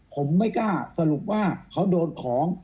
ผมไม่กล้าสรุปว่าเขาโดนของ